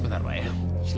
keseluruhan penyebab media